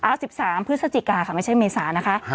เอา๑๓พฤศจิกาค่ะไม่ใช่เมษานะคะ